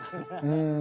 「うん」。